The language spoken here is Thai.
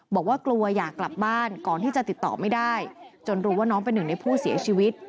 บอกว่ากลัวอยากกลับบ้านก่อนที่จะติดต่อไม่ได้จนรู้ว่าน้องเป็นหนึ่งในผู้เสียชีวิต